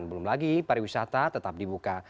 belum lagi pariwisata tetap dibuka